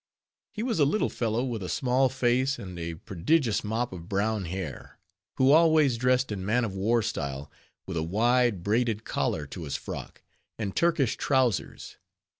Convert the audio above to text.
He was a little fellow with a small face and a prodigious mop of brown hair; who always dressed in man of war style, with a wide, braided collar to his frock, and Turkish trowsers.